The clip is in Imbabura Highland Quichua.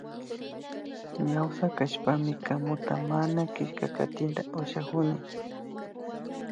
Ñawsa kashpami kamuta mana killkakatita ushakuni